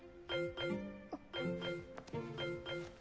あっ。